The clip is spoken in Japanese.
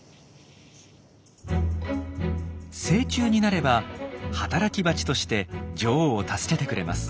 成虫になれば働きバチとして女王を助けてくれます。